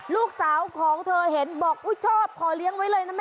ลูกสาวของเธอเห็นบอกชอบขอเลี้ยงไว้เลยนะแม่